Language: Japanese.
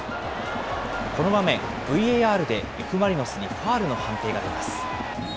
この場面、ＶＡＲでＦ・マリノスにファウルの判定が出ます。